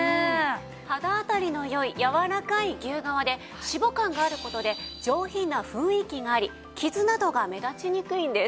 肌当たりの良い柔らかい牛革でシボ感がある事で上品な雰囲気があり傷などが目立ちにくいんです。